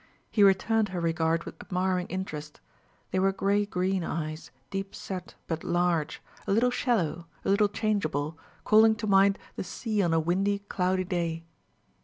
He returned her regard with admiring interest; they were gray green eyes, deep set but large, a little shallow, a little changeable, calling to mind the sea on a windy, cloudy day.